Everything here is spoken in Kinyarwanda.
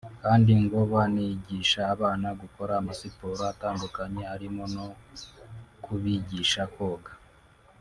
kandi ngo banigisha abana gukora amasiporo atandukanye arimo no kubigisha koga